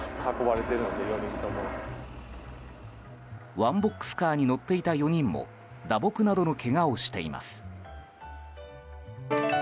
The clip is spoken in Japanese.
ワンボックスカーに乗っていた４人も打撲などのけがをしています。